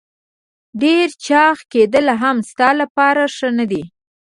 ډېر چاغ کېدل هم ستا لپاره ښه نه دي.